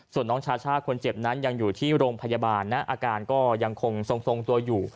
ส่วนน้องชาช่าคนเจ็บนั้นยังอยู่ที่โรงพยาบาลนะอาการก็ยังคงทรงตัวอยู่